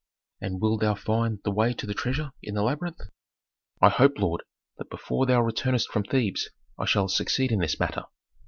"And wilt thou find the way to the treasure in the labyrinth?" "I hope, lord, that before thou returnest from Thebes, I shall succeed in this matter.